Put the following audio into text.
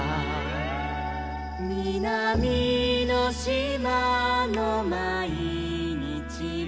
「みなみのしまのまいにちは」